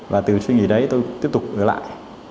và từ suy nghĩ đấy tôi tiếp tục ở lại